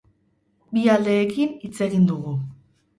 Bi aldeekin hitz egin dugu.